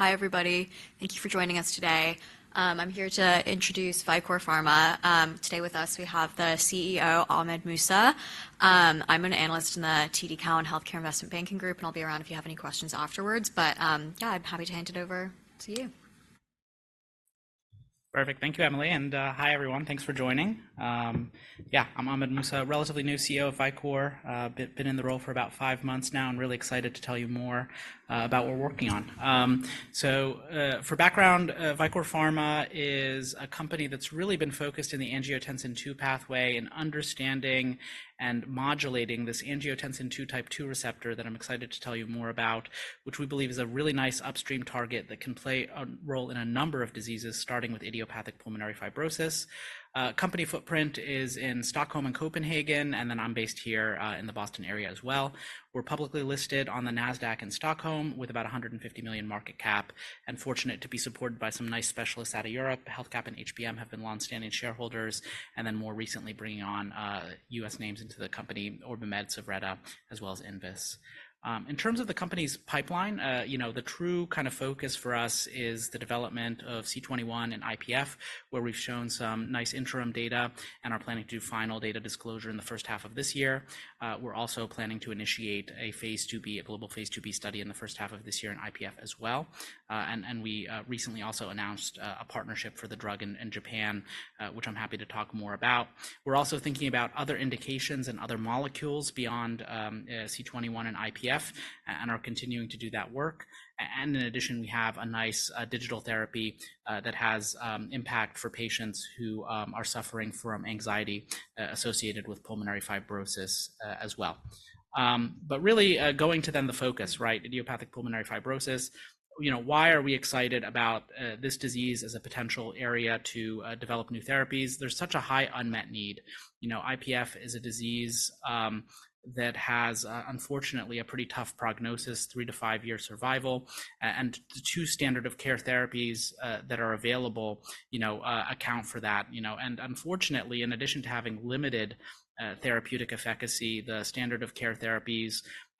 Hi everybody, thank you for joining us today. I'm here to introduce Vicore Pharma. Today with us we have the CEO, Ahmed Mousa. I'm an analyst in the TD Cowen and Healthcare Investment Banking Group, and I'll be around if you have any questions afterwards, but, yeah, I'm happy to hand it over to you. Perfect, thank you Emily. Hi everyone, thanks for joining. Yeah, I'm Ahmed Mousa, relatively new CEO of Vicore, been in the role for about five months now and really excited to tell you more about what we're working on. For background, Vicore Pharma is a company that's really been focused in the angiotensin II pathway and understanding and modulating this angiotensin II type 2 receptor that I'm excited to tell you more about, which we believe is a really nice upstream target that can play a role in a number of diseases, starting with idiopathic pulmonary fibrosis. Company footprint is in Stockholm and Copenhagen, and then I'm based here, in the Boston area as well. We're publicly listed on the NASDAQ in Stockholm with about $150 million market cap, and fortunate to be supported by some nice specialists out of Europe. HealthCap and HBM have been longstanding shareholders, and then more recently bringing on U.S. names into the company: OrbiMed, Suvretta, as well as Invus. In terms of the company's pipeline, you know, the true kind of focus for us is the development of C21 and IPF, where we've shown some nice interim data and are planning to do final data disclosure in the first half of this year. We're also planning to initiate a phase IIB, a global phase IIB study in the first half of this year in IPF as well. And we recently also announced a partnership for the drug in Japan, which I'm happy to talk more about. We're also thinking about other indications and other molecules beyond C21 and IPF and are continuing to do that work. And in addition we have a nice digital therapy that has impact for patients who are suffering from anxiety associated with pulmonary fibrosis, as well. But really going to then the focus, right, idiopathic pulmonary fibrosis, you know, why are we excited about this disease as a potential area to develop new therapies? There's such a high unmet need. You know, IPF is a disease that has unfortunately a pretty tough prognosis, three to fiveyear survival. And the two standard of care therapies that are available, you know, account for that, you know. And unfortunately, in addition to having limited therapeutic efficacy, the standard of care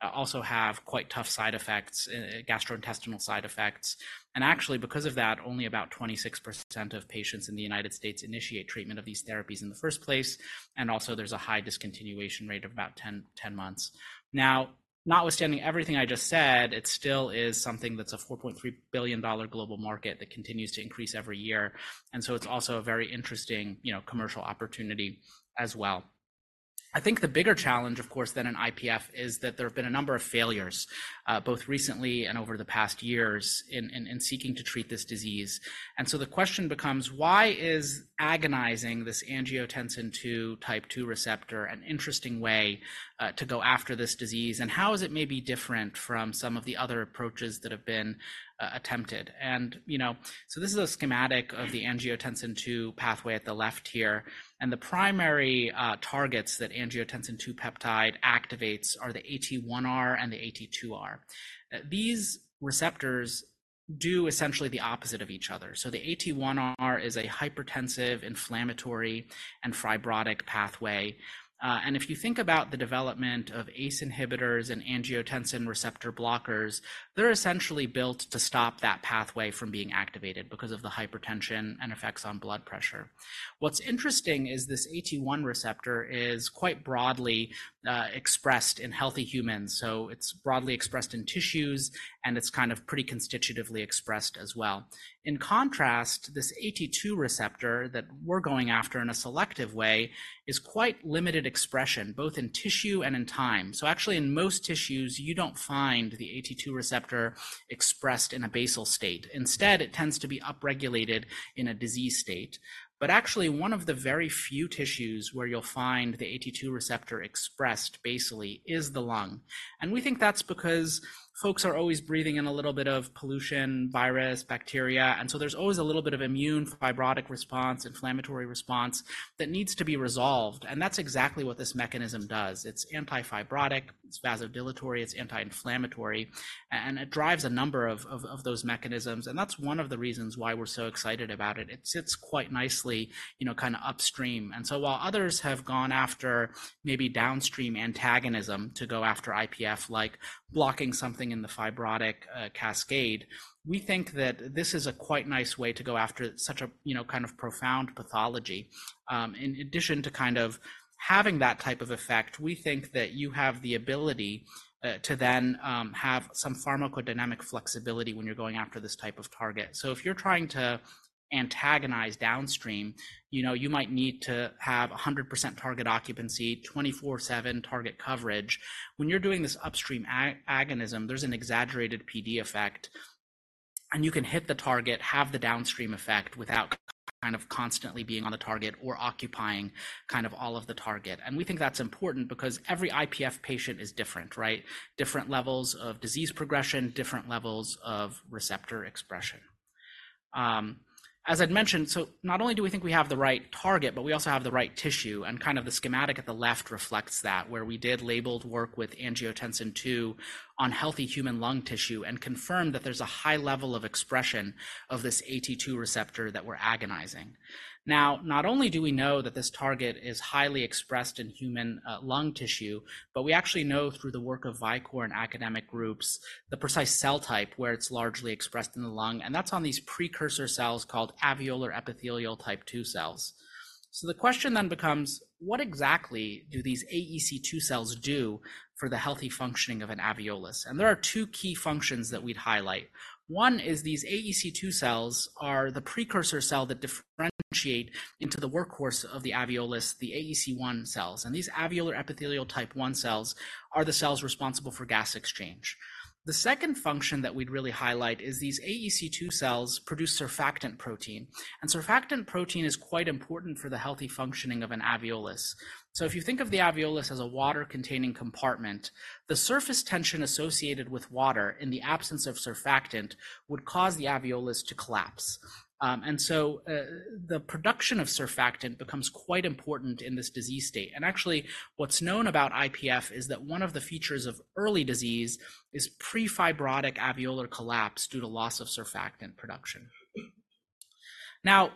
therapies also have quite tough side effects, gastrointestinal side effects. Actually because of that, only about 26% of patients in the United States initiate treatment of these therapies in the first place, and also there's a high discontinuation rate of about 10 months. Now, notwithstanding everything I just said, it still is something that's a $4.3 billion global market that continues to increase every year, and so it's also a very interesting, you know, commercial opportunity as well. I think the bigger challenge, of course, than in IPF is that there have been a number of failures, both recently and over the past years in, in, in seeking to treat this disease. And so the question becomes, why is agonizing this angiotensin II type 2 receptor an interesting way to go after this disease, and how is it maybe different from some of the other approaches that have been attempted? You know, so this is a schematic of the angiotensin II pathway at the left here, and the primary targets that angiotensin II peptide activates are the AT1R and the AT2R. These receptors do essentially the opposite of each other. So the AT1R is a hypertensive, inflammatory, and fibrotic pathway. And if you think about the development of ACE inhibitors and angiotensin receptor blockers, they're essentially built to stop that pathway from being activated because of the hypertension and effects on blood pressure. What's interesting is this AT1 receptor is quite broadly expressed in healthy humans, so it's broadly expressed in tissues, and it's kind of pretty constitutively expressed as well. In contrast, this AT2 receptor that we're going after in a selective way is quite limited expression, both in tissue and in time. So actually in most tissues you don't find the AT2 receptor expressed in a basal state. Instead it tends to be upregulated in a disease state. But actually one of the very few tissues where you'll find the AT2 receptor expressed basally is the lung, and we think that's because folks are always breathing in a little bit of pollution, virus, bacteria, and so there's always a little bit of immune fibrotic response, inflammatory response, that needs to be resolved. And that's exactly what this mechanism does. It's anti-fibrotic, it's vasodilatory, it's anti-inflammatory, and it drives a number of those mechanisms, and that's one of the reasons why we're so excited about it. It sits quite nicely, you know, kind of upstream. And so while others have gone after maybe downstream antagonism to go after IPF, like blocking something in the fibrotic cascade, we think that this is a quite nice way to go after such a, you know, kind of profound pathology. In addition to kind of having that type of effect, we think that you have the ability to then have some pharmacodynamic flexibility when you're going after this type of target. So if you're trying to antagonize downstream, you know, you might need to have 100% target occupancy, 24/7 target coverage. When you're doing this upstream agonism, there's an exaggerated PD effect, and you can hit the target, have the downstream effect without kind of constantly being on the target or occupying kind of all of the target. And we think that's important because every IPF patient is different, right? Different levels of disease progression, different levels of receptor expression. As I'd mentioned, so not only do we think we have the right target, but we also have the right tissue, and kind of the schematic at the left reflects that, where we did labeled work with angiotensin II on healthy human lung tissue and confirmed that there's a high level of expression of this AT2 receptor that we're agonizing. Now, not only do we know that this target is highly expressed in human lung tissue, but we actually know through the work of Vicore and academic groups the precise cell type where it's largely expressed in the lung, and that's on these precursor cells called alveolar epithelial type II cells. So the question then becomes, what exactly do these AEC2 cells do for the healthy functioning of an alveolus? And there are two key functions that we'd highlight. One is these AEC2 cells are the precursor cell that differentiate into the workhorse of the alveolus, the AEC1 cells, and these alveolar epithelial type I cells are the cells responsible for gas exchange. The second function that we'd really highlight is these AEC2 cells produce surfactant protein, and surfactant protein is quite important for the healthy functioning of an alveolus. So if you think of the alveolus as a water-containing compartment, the surface tension associated with water in the absence of surfactant would cause the alveolus to collapse, and so, the production of surfactant becomes quite important in this disease state. And actually what's known about IPF is that one of the features of early disease is prefibrotic alveolar collapse due to loss of surfactant production. Now,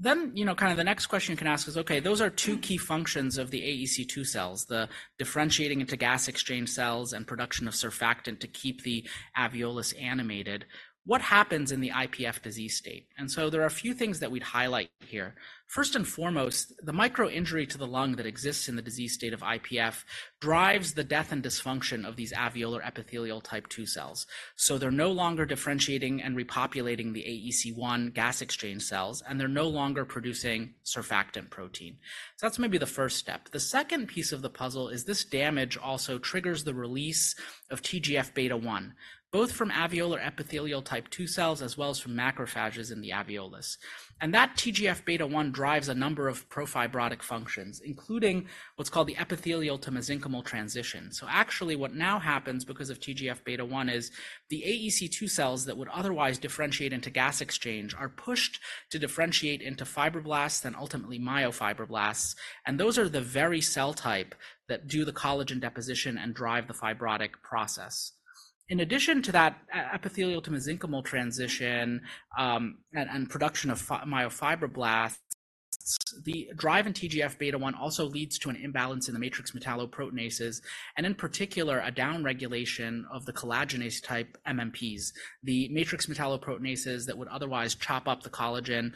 then, you know, kind of the next question you can ask is, okay, those are two key functions of the AEC2 cells, the differentiating into gas exchange cells and production of surfactant to keep the alveolus animated. What happens in the IPF disease state? And so there are a few things that we'd highlight here. First and foremost, the micro-injury to the lung that exists in the disease state of IPF drives the death and dysfunction of these alveolar epithelial type II cells. So they're no longer differentiating and repopulating the AEC1 gas exchange cells, and they're no longer producing surfactant protein. So that's maybe the first step. The second piece of the puzzle is this damage also triggers the release of TGF-beta1, both from alveolar epithelial type II cells as well as from macrophages in the alveolus. And that TGF-beta1 drives a number of profibrotic functions, including what's called the epithelial to mesenchymal transition. So actually what now happens because of TGF-beta1 is the AEC2 cells that would otherwise differentiate into gas exchange are pushed to differentiate into fibroblasts and ultimately myofibroblasts, and those are the very cell type that do the collagen deposition and drive the fibrotic process. In addition to that, epithelial to mesenchymal transition, and production of myofibroblasts, the drive in TGF-beta1 also leads to an imbalance in the matrix metalloproteinases, and in particular a downregulation of the collagenase type MMPs, the matrix metalloproteinases that would otherwise chop up the collagen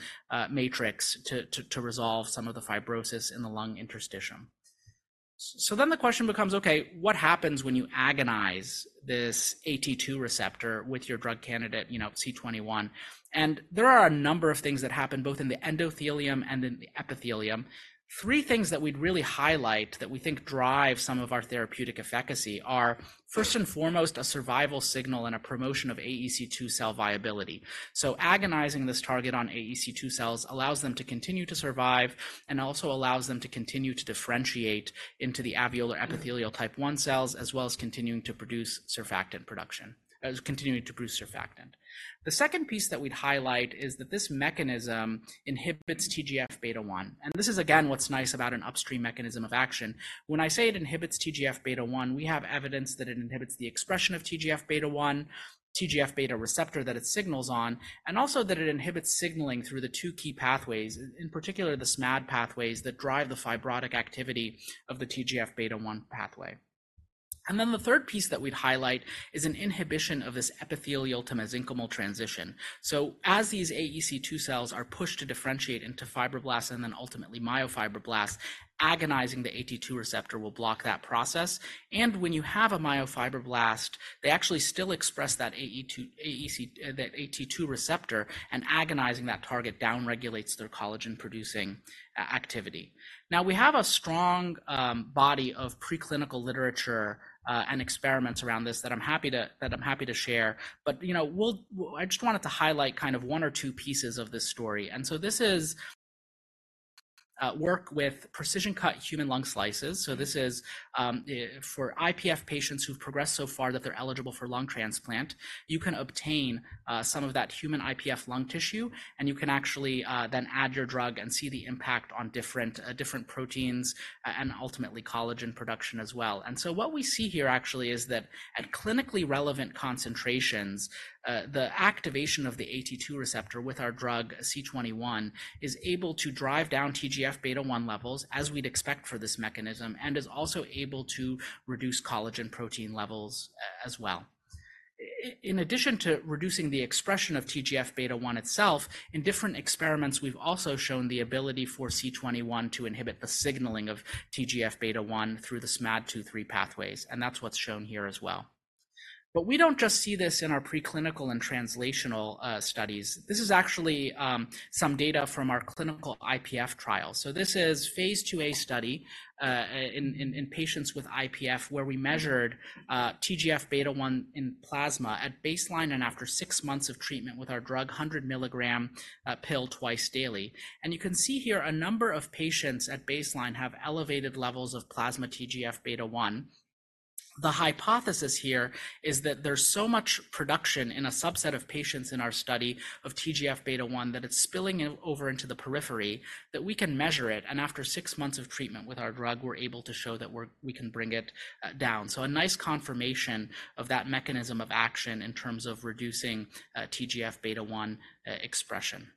matrix to resolve some of the fibrosis in the lung interstitium. So then the question becomes, okay, what happens when you agonize this AT2 receptor with your drug candidate, you know, C21? There are a number of things that happen both in the endothelium and in the epithelium. Three things that we'd really highlight that we think drive some of our therapeutic efficacy are, first and foremost, a survival signal and a promotion of AEC2 cell viability. So agonizing this target on AEC2 cells allows them to continue to survive and also allows them to continue to differentiate into the alveolar epithelial type I cells as well as continuing to produce surfactant production, continuing to produce surfactant. The second piece that we'd highlight is that this mechanism inhibits TGF‑β1, and this is again what's nice about an upstream mechanism of action. When I say it inhibits TGF‑β1, we have evidence that it inhibits the expression of TGF‑β1, TGF‑β receptor that it signals on, and also that it inhibits signaling through the two key pathways, in particular the Smad pathways that drive the fibrotic activity of the TGF‑β1 pathway. Then the third piece that we'd highlight is an inhibition of this epithelial to mesenchymal transition. As these AEC2 cells are pushed to differentiate into fibroblasts and then ultimately myofibroblasts, agonizing the AT2 receptor will block that process, and when you have a myofibroblast, they actually still express that AEC2, that AT2 receptor, and agonizing that target downregulates their collagen-producing activity. Now we have a strong body of preclinical literature, and experiments around this that I'm happy to share, but, you know, we'll I just wanted to highlight kind of one or two pieces of this story. And so this is work with precision cut human lung slices. So this is for IPF patients who've progressed so far that they're eligible for lung transplant, you can obtain some of that human IPF lung tissue, and you can actually then add your drug and see the impact on different proteins, and ultimately collagen production as well. And so what we see here actually is that at clinically relevant concentrations, the activation of the AT2 receptor with our drug C21 is able to drive down TGF-β1 levels as we'd expect for this mechanism and is also able to reduce collagen protein levels, as well. In addition to reducing the expression of TGF-β1 itself, in different experiments we've also shown the ability for C21 to inhibit the signaling of TGF-β1 through the Smad2/3 pathways, and that's what's shown here as well. But we don't just see this in our preclinical and translational studies. This is actually some data from our clinical IPF trials. So this is phase IIA study in patients with IPF where we measured TGF-β1 in plasma at baseline and after six months of treatment with our drug 100 mg pill twice daily. You can see here a number of patients at baseline have elevated levels of plasma TGF-β1. The hypothesis here is that there's so much production in a subset of patients in our study of TGF‑β1 that it's spilling over into the periphery that we can measure it, and after six months of treatment with our drug we're able to show that we can bring it down. So a nice confirmation of that mechanism of action in terms of reducing TGF‑β1 expression.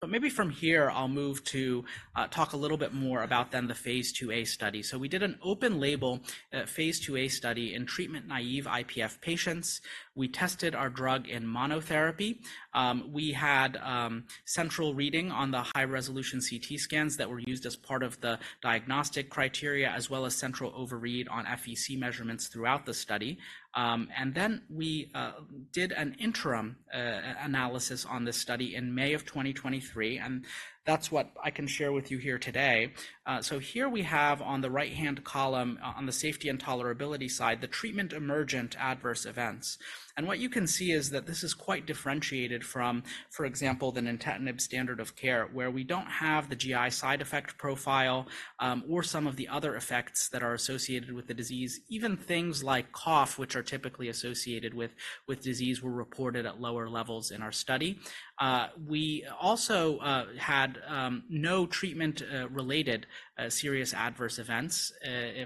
But maybe from here I'll move to talk a little bit more about then the phase IIA study. So we did an open-label phase IIA study in treatment-naïve IPF patients. We tested our drug in monotherapy. We had central reading on the high-resolution CT scans that were used as part of the diagnostic criteria as well as central overread on FVC measurements throughout the study. And then we did an interim analysis on this study in May of 2023, and that's what I can share with you here today. So here we have on the right-hand column, on the safety and tolerability side, the treatment-emergent adverse events. And what you can see is that this is quite differentiated from, for example, the Nintedanib standard of care, where we don't have the GI side effect profile, or some of the other effects that are associated with the disease. Even things like cough, which are typically associated with disease, were reported at lower levels in our study. We also had no treatment-related serious adverse events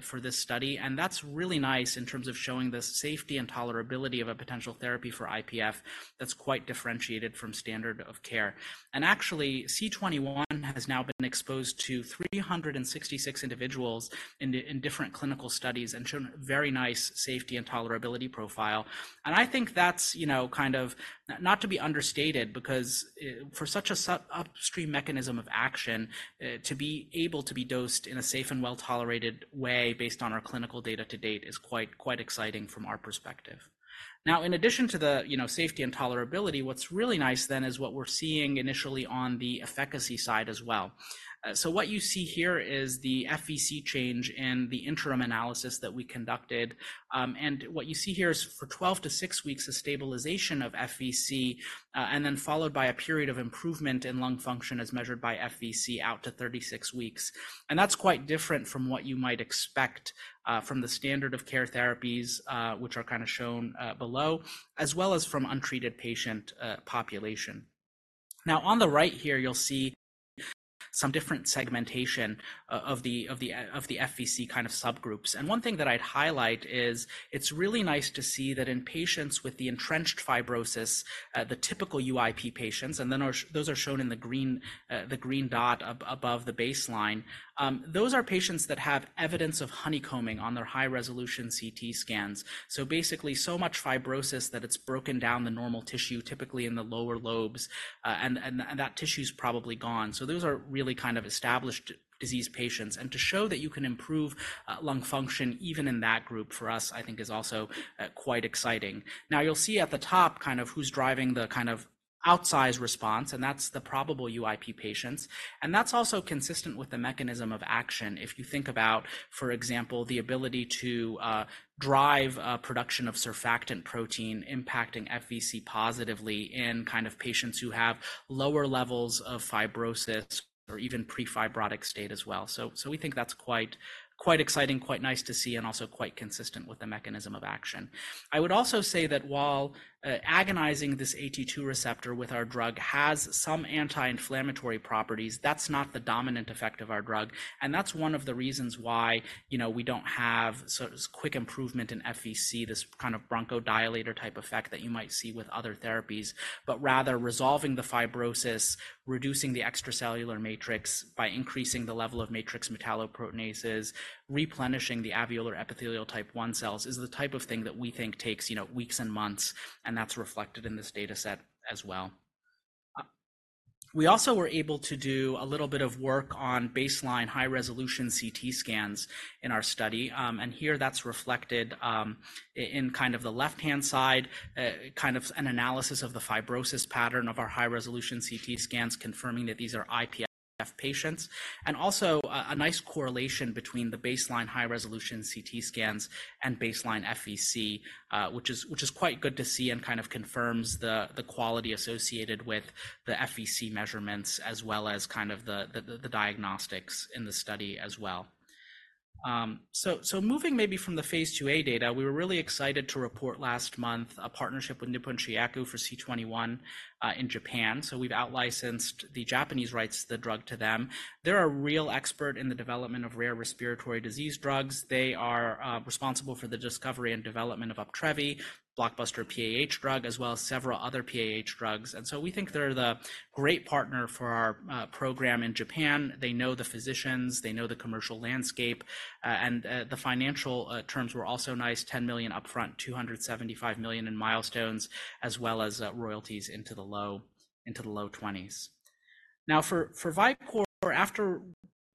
for this study, and that's really nice in terms of showing the safety and tolerability of a potential therapy for IPF that's quite differentiated from standard of care. Actually C21 has now been exposed to 366 individuals in different clinical studies and shown a very nice safety and tolerability profile. I think that's, you know, kind of not to be understated because, for such an upstream mechanism of action, to be able to be dosed in a safe and well-tolerated way based on our clinical data to date is quite, quite exciting from our perspective. Now in addition to the, you know, safety and tolerability, what's really nice then is what we're seeing initially on the efficacy side as well. So what you see here is the FVC change in the interim analysis that we conducted, and what you see here is for 12 to six weeks a stabilization of FVC, and then followed by a period of improvement in lung function as measured by FVC out to 36 weeks. And that's quite different from what you might expect from the standard of care therapies, which are kind of shown below, as well as from the untreated patient population. Now on the right here you'll see some different segmentation of the FVC kind of subgroups. And one thing that I'd highlight is it's really nice to see that in patients with the entrenched fibrosis, the typical UIP patients, and then those are shown in the green dot above the baseline, those are patients that have evidence of honeycombing on their high-resolution CT scans. So basically so much fibrosis that it's broken down the normal tissue, typically in the lower lobes, and that tissue's probably gone. So those are really kind of established disease patients. And to show that you can improve lung function even in that group for us, I think, is also quite exciting. Now you'll see at the top kind of who's driving the kind of outsized response, and that's the probable UIP patients. And that's also consistent with the mechanism of action if you think about, for example, the ability to drive production of surfactant protein impacting FVC positively in kind of patients who have lower levels of fibrosis or even prefibrotic state as well. So, so we think that's quite, quite exciting, quite nice to see, and also quite consistent with the mechanism of action. I would also say that while agonizing this AT2 receptor with our drug has some anti-inflammatory properties, that's not the dominant effect of our drug, and that's one of the reasons why, you know, we don't have so quick improvement in FVC, this kind of bronchodilator type effect that you might see with other therapies, but rather resolving the fibrosis, reducing the extracellular matrix by increasing the level of matrix metalloproteinases, replenishing the alveolar epithelial type I cells is the type of thing that we think takes, you know, weeks and months, and that's reflected in this data set as well. We also were able to do a little bit of work on baseline high-resolution CT scans in our study, and here that's reflected, in kind of the left-hand side, kind of an analysis of the fibrosis pattern of our high-resolution CT scans confirming that these are IPF patients. Also, a nice correlation between the baseline high-resolution CT scans and baseline FVC, which is quite good to see and kind of confirms the quality associated with the FVC measurements as well as kind of the diagnostics in the study as well. So moving maybe from the phase IIA data, we were really excited to report last month a partnership with Nippon Shinyaku for C21 in Japan. So we've outlicensed the Japanese rights to the drug to them. They're a real expert in the development of rare respiratory disease drugs. They are responsible for the discovery and development of Uptravi, blockbuster PAH drug, as well as several other PAH drugs. And so we think they're the great partner for our program in Japan. They know the physicians, they know the commercial landscape, and the financial terms were also nice: $10 million upfront, $275 million in milestones, as well as royalties into the low, into the low 20s%. Now for, for Vicore, after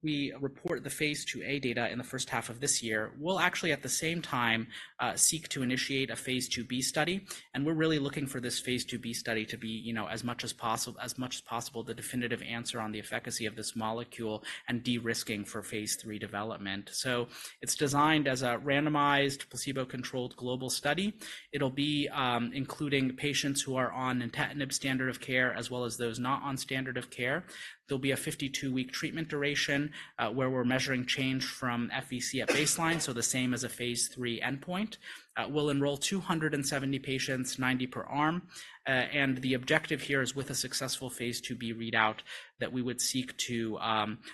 we report the phase IIA data in the first half of this year, we'll actually at the same time seek to initiate a phase IIB study, and we're really looking for this phase IIB study to be, you know, as much as possible, as much as possible the definitive answer on the efficacy of this molecule and de-risking for phase III development. So it's designed as a randomized, placebo-controlled global study. It'll be including patients who are on Nintedanib standard of care as well as those not on standard of care. There'll be a 52-week treatment duration, where we're measuring change from FVC at baseline, so the same as a phase III endpoint. We'll enroll 270 patients, 90 per arm, and the objective here is with a successful phase IIB readout that we would seek to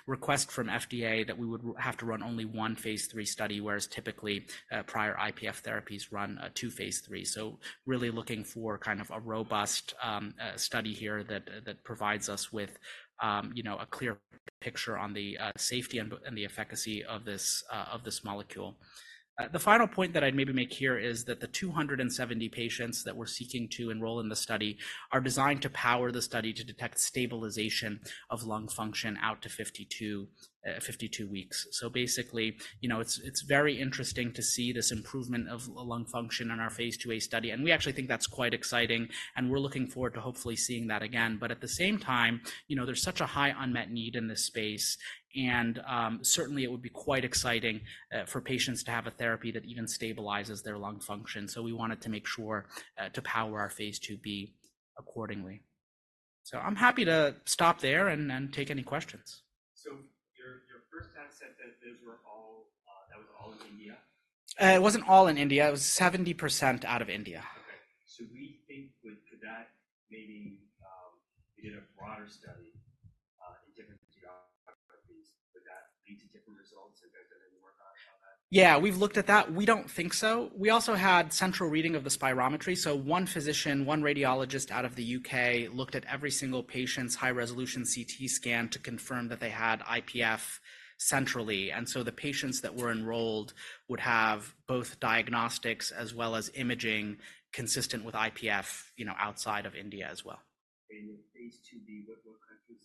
request from FDA that we would have to run only one phase III study, whereas typically, prior IPF therapies run two phase III. So really looking for kind of a robust study here that provides us with, you know, a clear picture on the safety and the efficacy of this of this molecule. The final point that I'd maybe make here is that the 270 patients that we're seeking to enroll in the study are designed to power the study to detect stabilization of lung function out to 52 weeks. So basically, you know, it's very interesting to see this improvement of lung function in our phase IIA study, and we actually think that's quite exciting, and we're looking forward to hopefully seeing that again. But at the same time, you know, there's such a high unmet need in this space, and certainly it would be quite exciting for patients to have a therapy that even stabilizes their lung function. So we wanted to make sure to power our phase IIB accordingly. So I'm happy to stop there and take any questions. So your first time said that those were all, that was all in India? It wasn't all in India. It was 70% out of India. Okay. So we think we did a broader study in different geographies. Would that lead to different results if they've done any work on it on that? Yeah. We've looked at that. We don't think so. We also had central reading of the spirometry, so one physician, one radiologist out of the U.K. looked at every single patient's high-resolution CT scan to confirm that they had IPF centrally, and so the patients that were enrolled would have both diagnostics as well as imaging consistent with IPF, you know, outside of India as well. In the phase IIB, what countries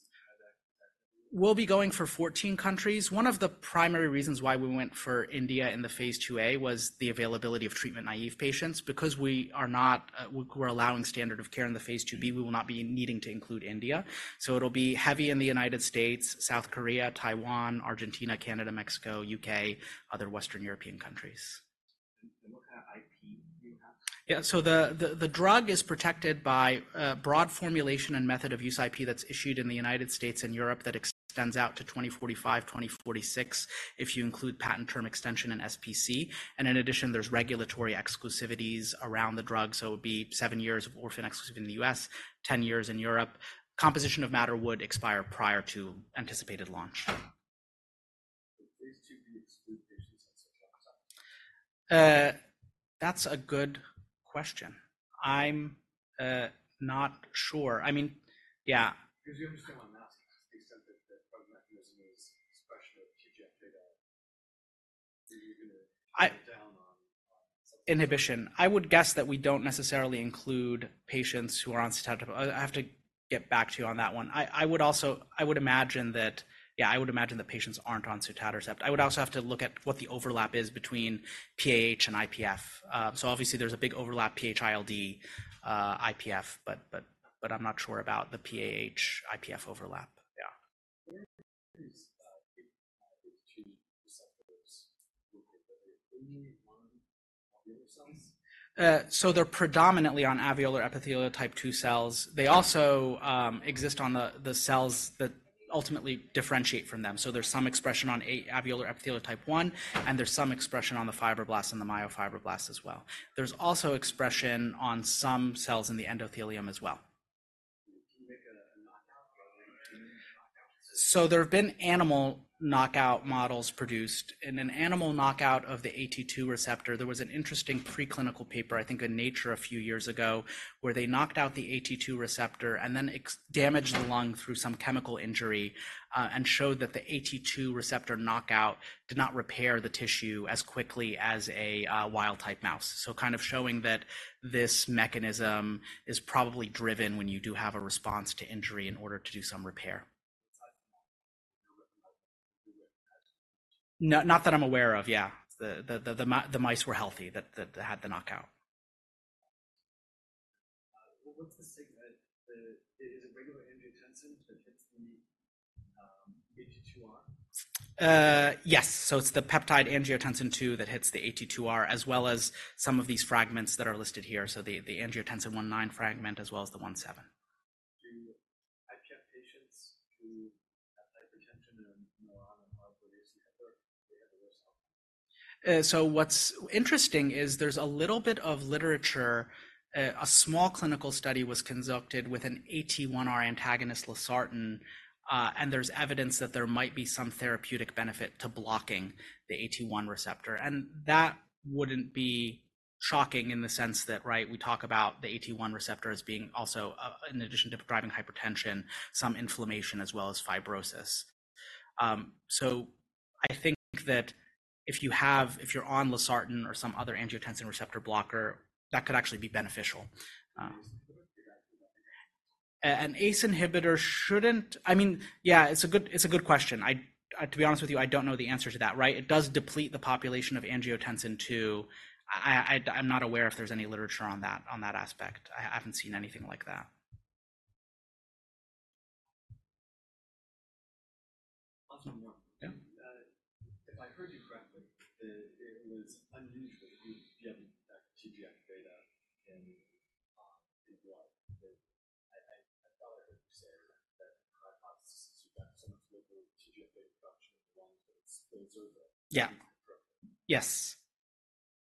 have that technically? We'll be going for 14 countries. One of the primary reasons why we went for India in the phase IIA was the availability of treatment-naïve patients. Because we are not, we're allowing standard of care in the phase IIB, we will not be needing to include India. So it'll be heavy in the United States, South Korea, Taiwan, Argentina, Canada, Mexico, U.K., other Western European countries. What kind of IP do you have? Yeah. So the drug is protected by broad formulation and method of use IP that's issued in the United States and Europe that extends out to 2045, 2046 if you include patent term extension and SPC. In addition, there's regulatory exclusivities around the drug, so it would be seven years of orphan exclusivity in the U.S., 10 years in Europe. Composition of matter would expire prior to anticipated launch. Would phase IIB exclude patients at such a time? That's a good question. I'm not sure. I mean, yeah. Because you understand what I'm asking, to the extent that the drug mechanism is expression of TGF-beta1, are you going to shut it down on something? Inhibition. I would guess that we don't necessarily include patients who are on Sotatercept. I have to get back to you on that one. I would also imagine that, yeah, patients aren't on Sotatercept. I would also have to look at what the overlap is between PAH and IPF. Obviously there's a big overlap PH-ILD, IPF, but I'm not sure about the PAH-IPF overlap. Yeah. Where is the two receptors located? Are they in one alveolar cells? So they're predominantly on alveolar epithelial type II cells. They also exist on the cells that ultimately differentiate from them. So there's some expression on alveolar epithelial type I, and there's some expression on the fibroblast and the myofibroblast as well. There's also expression on some cells in the endothelium as well. Can you make a knockout model? So there have been animal knockout models produced. In an animal knockout of the AT2 receptor, there was an interesting preclinical paper, I think in Nature a few years ago, where they knocked out the AT2 receptor and then damaged the lung through some chemical injury, and showed that the AT2 receptor knockout did not repair the tissue as quickly as a wild-type mouse. So kind of showing that this mechanism is probably driven when you do have a response to injury in order to do some repair. No, not that I'm aware of, yeah. The mice were healthy that had the knockout. What's the ligand? Is it regular angiotensin that hits the AT2R? Yes. So it's the peptide angiotensin II that hits the AT2R, as well as some of these fragments that are listed here, so the angiotensin 1-9 fragment as well as the 1-7. Do IPF patients who have hypertension or coronary heart disease have the worst outcome? What's interesting is there's a little bit of literature. A small clinical study was conducted with an AT1R antagonist, Losartan, and there's evidence that there might be some therapeutic benefit to blocking the AT1 receptor. That wouldn't be shocking in the sense that, right, we talk about the AT1 receptor as being also, in addition to driving hypertension, some inflammation as well as fibrosis. I think that if you're on Losartan or some other angiotensin receptor blocker, that could actually be beneficial. ACE inhibitor? An ACE inhibitor shouldn't. I mean, yeah, it's a good—it's a good question. I, to be honest with you, I don't know the answer to that, right? It does deplete the population of angiotensin II. I, I, I'm not aware if there's any literature on that, on that aspect. I haven't seen anything like that. Last one, Your Honor. Yeah? If I heard you correctly, that it was unusual, you have the TGF-beta in blood. I thought I heard you say that the hypothesis is you've got so much local TGF-beta production in the lungs, but it's still observable in the periphery. Yeah. Yes.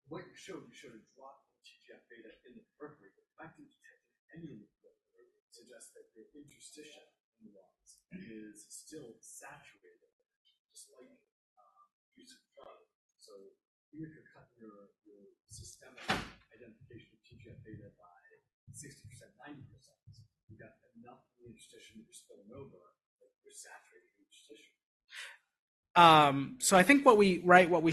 What you showed, you showed a drop in TGF-beta in the periphery, effectively detecting anyone in the periphery. Suggests that your interstitial in the lungs is still saturated despite use of drug. So even if you're cutting your systemic identification of TGF-beta by 60%, 90%, you've got enough in the interstitial that you're spilling over, but you're saturating the interstitial. I think what we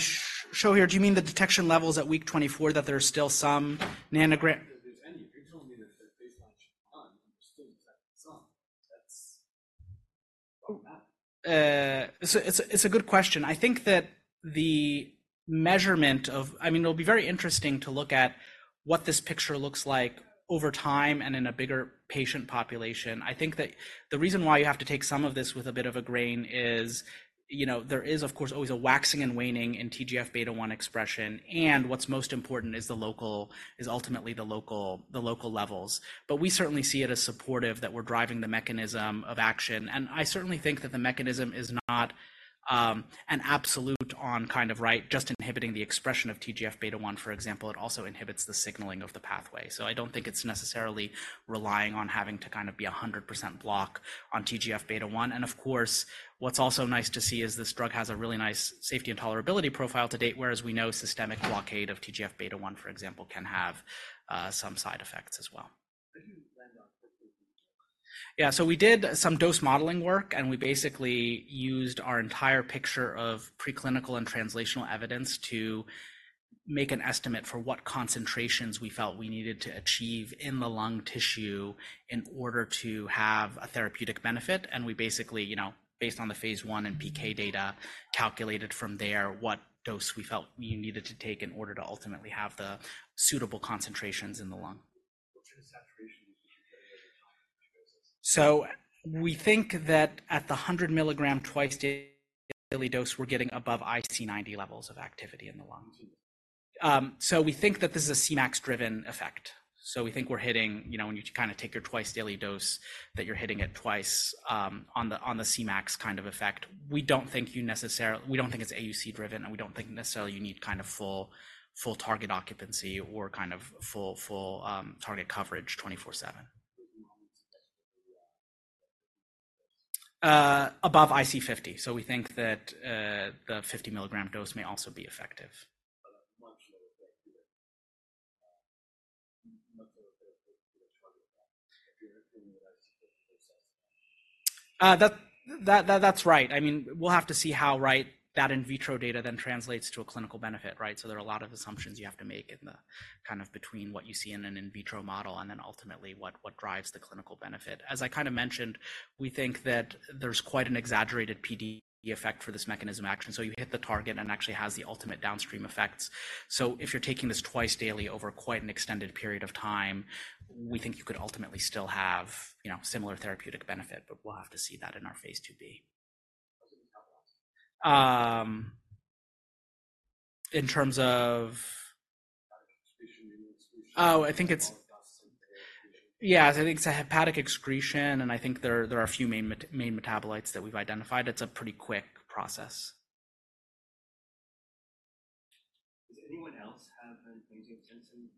show here, do you mean the detection levels at week 24 that there's still some nanogram? If there's any, if you're telling me that the baseline should be none and you're still detecting some, that's why it matters. So it's a good question. I think that the measurement of—I mean, it'll be very interesting to look at what this picture looks like over time and in a bigger patient population. I think that the reason why you have to take some of this with a bit of a grain is, you know, there is, of course, always a waxing and waning in TGF-beta1 expression, and what's most important is the local—ultimately the local levels. But we certainly see it as supportive that we're driving the mechanism of action. And I certainly think that the mechanism is not an absolute on kind of, right, just inhibiting the expression of TGF-beta1, for example. It also inhibits the signaling of the pathway. So I don't think it's necessarily relying on having to kind of be 100% block on TGF-beta1. Of course, what's also nice to see is this drug has a really nice safety and tolerability profile to date, whereas we know systemic blockade of TGF-beta1, for example, can have some side effects as well. What did you land on for clinical work? Yeah. So we did some dose modeling work, and we basically used our entire picture of preclinical and translational evidence to make an estimate for what concentrations we felt we needed to achieve in the lung tissue in order to have a therapeutic benefit. We basically, you know, based on the phase I and PK data, calculated from there what dose we felt we needed to take in order to ultimately have the suitable concentrations in the lung. What kind of saturation was what you're getting over time in the process? So we think that at the 100 milligram twice-daily dose, we're getting above IC90 levels of activity in the lung. So we think that this is a CMAX-driven effect. So we think we're hitting, you know, when you kind of take your twice-daily dose, that you're hitting it twice, on the CMAX kind of effect. We don't think it's AUC-driven, and we don't think necessarily you need kind of full, full target occupancy or kind of full, full, target coverage 24/7. What's the moment suggested for the effective dose? above IC50. So we think that the 50 mg dose may also be effective. But a much lower effective than a target effect if you're entering an IC50 dose estimate? That's right. I mean, we'll have to see how, right, that in vitro data then translates to a clinical benefit, right? So there are a lot of assumptions you have to make in the kind of between what you see in an in vitro model and then ultimately what drives the clinical benefit. As I kind of mentioned, we think that there's quite an exaggerated PD effect for this mechanism of action. So you hit the target and actually has the ultimate downstream effects. So if you're taking this twice daily over quite an extended period of time, we think you could ultimately still have, you know, similar therapeutic benefit, but we'll have to see that in our phase IIB. What's in metabolites? in terms of. Hepatic excretion or excretion? Oh, I think it's. Metabolites and therapy? Yeah. So I think it's a hepatic excretion, and I think there are a few main metabolites that we've identified. It's a pretty quick process. Does anyone else have an angiotensin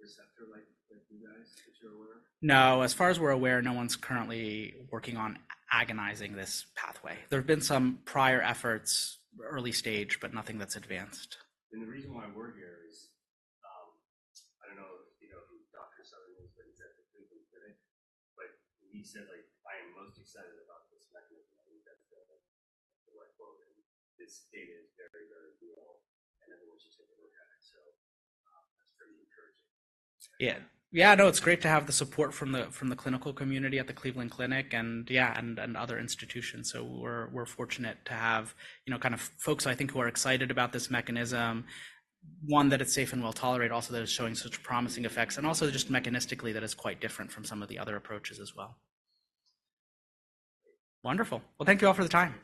receptor like you guys that you're aware of? No. As far as we're aware, no one's currently working on agonizing this pathway. There have been some prior efforts, early stage, but nothing that's advanced. And the reason why we're here is, I don't know if you know if you've talked to someone else, but he said the Cleveland Clinic. But he said, like, "I am most excited about this mechanism." I think that's the, the right quote. And this data is very, very real, and everyone's just saying, "Okay." So, that's pretty encouraging. Yeah. Yeah. No, it's great to have the support from the clinical community at the Cleveland Clinic and, yeah, and other institutions. So we're fortunate to have, you know, kind of folks, I think, who are excited about this mechanism, one that it's safe and well-tolerated, also that it's showing such promising effects, and also just mechanistically that it's quite different from some of the other approaches as well. Great. Wonderful. Well, thank you all for the time.